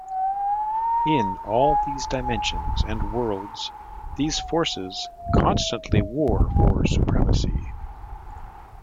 In all these dimensions and worlds, these forces constantly war for supremacy.